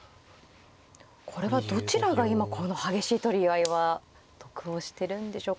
これはどちらが今この激しい取り合いは得をしてるんでしょうか。